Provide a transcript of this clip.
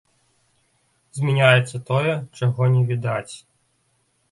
Змяняецца тое, чаго не відаць.